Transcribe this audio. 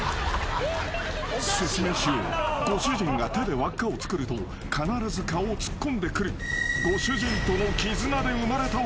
ご主人が手で輪っかを作ると必ず顔を突っ込んでくる］